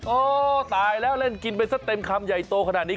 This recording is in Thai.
โอ้ตายแล้วเล่นกินเต็มคำเย้ยโตขนาดนี้